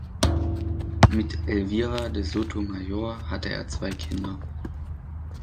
Mit Elvira de Sotomayor hatte er zwei Kinder.